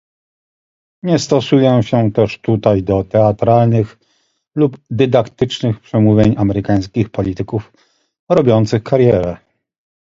Nie stosuję się też tutaj do teatralnych lub dydaktycznych przemów amerykańskich polityków robiących karierę